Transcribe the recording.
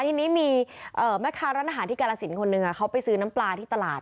ทีนี้มีแม่ค้าร้านอาหารที่กาลสินคนหนึ่งเขาไปซื้อน้ำปลาที่ตลาด